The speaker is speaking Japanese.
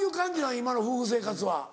今の夫婦生活は。